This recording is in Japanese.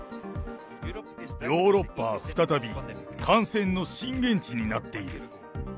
ヨーロッパは再び、感染の震源地になっている。